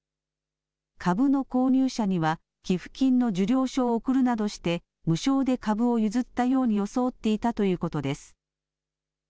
株の購入者には寄付金の受領書を送るなどして無償で株を譲ったように装っていたということです。